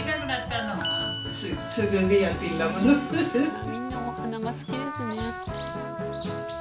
みんなお花が好きですね。